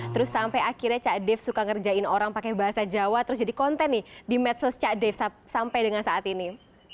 terus sampai akhirnya cak dave suka ngerjain orang pakai bahasa jawa terus jadi konten nih di medsos cak dave sampai dengan saat ini